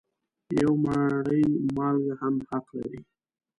یوه مړۍ مالګه هم حق لري.